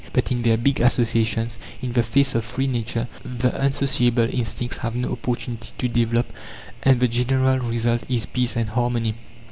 But in their big associations, in the face of free Nature, the unsociable instincts have no opportunity to develop, and the general result is peace and harmony.